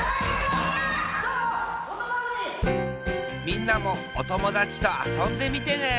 みんなもおともだちとあそんでみてね！